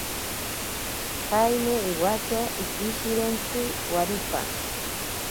Jaime iwatya ikishirentsi waripa.